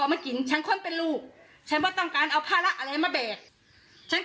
มากินฉันคนเป็นลูกฉันว่าต้องการเอาภาระอะไรมาแบกฉัน